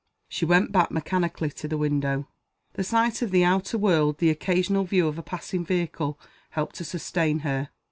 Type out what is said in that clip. She went back mechanically to the window. The sight of the outer world, the occasional view of a passing vehicle, helped to sustain her.